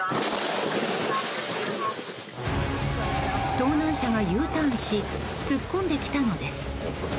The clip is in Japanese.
盗難車がＵターンし突っ込んできたのです。